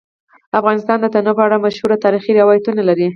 افغانستان د تنوع په اړه مشهور تاریخی روایتونه لري.